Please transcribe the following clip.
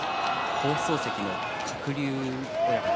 放送席の鶴竜親方